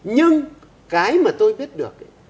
nhưng cái mà tôi biết được